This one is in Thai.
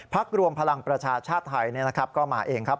ภักดิ์รวมพลังประชาชาไทยก็มาเองครับ